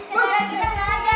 bukan disana kita gak ada